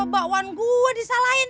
bakwan gua disalahin